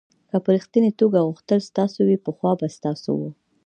که په ریښتني توګه غوښتل ستاسو وي پخوا به ستاسو و.